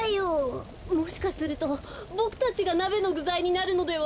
もしかするとボクたちがなべのぐざいになるのでは。